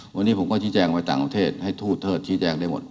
วันนี้ผมก็ชี้แจงไปต่างประเทศให้ทูตเทิดชี้แจงได้หมด